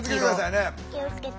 気を付けて。